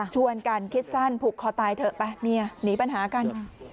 ชวนกันคิดสั้นผูกคอตายเถอะไปเมียหนีปัญหากัน